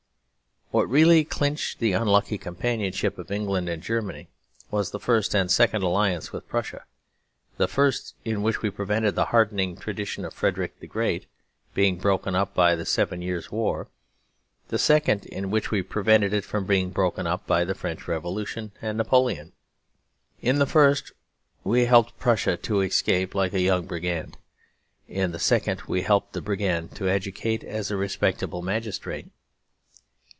What really clinched the unlucky companionship of England and Germany was the first and second alliance with Prussia; the first in which we prevented the hardening tradition of Frederick the Great being broken up by the Seven Years' War; the second in which we prevented it being broken up by the French Revolution and Napoleon. In the first we helped Prussia to escape like a young brigand; in the second we helped the brigand to adjudicate as a respectable magistrate.